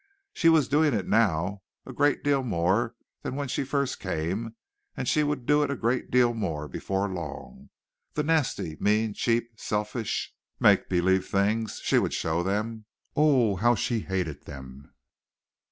She was doing it now a great deal more than when she first came, and she would do it a great deal more before long. The nasty, mean, cheap, selfish, make belief things. She would show them! O oh! how she hated them.